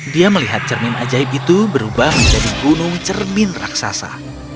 dia melihat cermin ajaib itu berubah menjadi gunung cermin raksasa